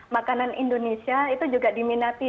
makanan indonesia itu juga diminati